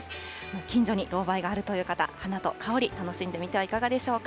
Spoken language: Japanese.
近所にロウバイがあるという方、花と香り、楽しんでみてはいかがでしょうか。